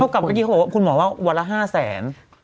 เขากลับกันอีกทีเขาบอกว่าคุณหมอว่าวันละ๕แสน